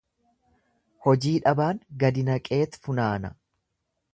Hojii dhabaan gadi naqeet funaana.